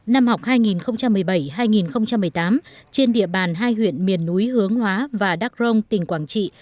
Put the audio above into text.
năm học hai nghìn một mươi bảy hai nghìn một mươi tám trên địa bàn hai huyện miền núi hướng hóa và đắk rông tỉnh quảng trị